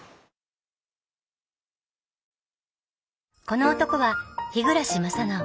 この男は日暮正直。